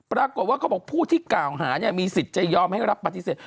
เขาบอกผู้ที่กล่าวหามีสิทธิ์จะยอมให้รับปฏิเสธ